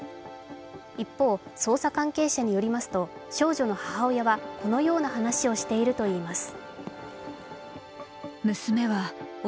一方、捜査関係者によりますと、少女の母親はこのような話をしているといいます。